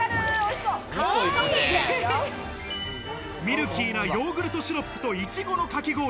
ミルキーなヨーグルトシロップといちごのかき氷。